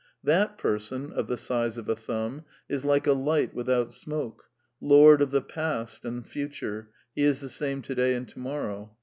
" That person, of the size of a thumb, is like a light without smoke, lord of the past and future, he is the same to day and to morrow.